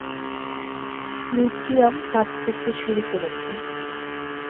Librium কাজ করতে শুরু করেছে।